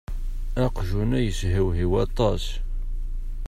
Aqjun-a yeshewhiw aṭas.